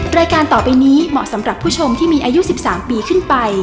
รายการต่อไปนี้เหมาะสำหรับผู้ชมที่มีอายุ๑๓ปีขึ้นไป